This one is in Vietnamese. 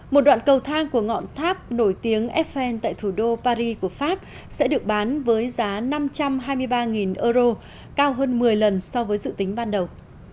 một đoạn cầu thang của ngọn tháp nổi tiếng effel tại thủ đô paris của pháp sẽ được bán với giá năm trăm hai mươi ba euro cao hơn một mươi lần so với dự tính ban đầu